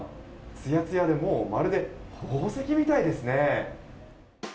つやつやでまるで宝石みたいですね。